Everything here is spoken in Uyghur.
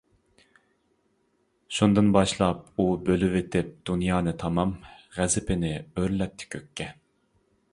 شۇندىن باشلاپ ئۇ بۆلىۋېتىپ دۇنيانى تامام، غەزىپىنى ئۆرلەتتى كۆككە.